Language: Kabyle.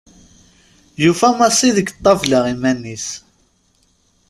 Yufa Massi deg ṭabla iman-is.